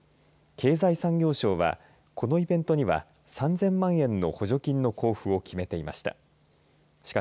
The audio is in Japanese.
経済産業省はこのイベントには３０００万円の補助金の交付を決めていました。